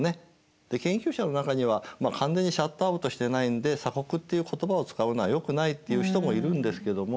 で研究者の中には完全にシャットアウトしてないんで「鎖国」っていう言葉を使うのはよくないって言う人もいるんですけども。